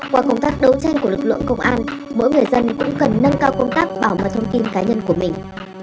qua công tác đấu tranh của lực lượng công an mỗi người dân cũng cần nâng cao công tác bảo mật thông tin cá nhân của mình